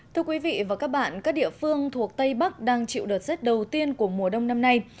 thưa quý vị và các bạn các địa phương thuộc tây bắc đang chịu đợt rét đầu tiên của mùa đông năm nay